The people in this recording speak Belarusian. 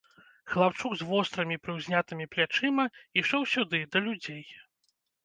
Хлапчук з вострымі прыўзнятымі плячыма ішоў сюды, да людзей.